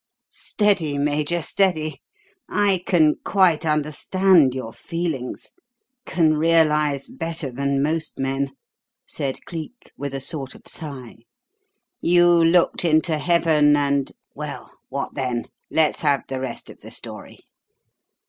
"Steady, Major, steady! I can quite understand your feelings can realise better than most men!" said Cleek with a sort of sigh. "You looked into heaven, and well, what then? Let's have the rest of the story."